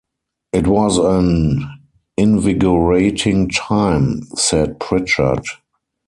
"It was an invigorating time," said Pritchard.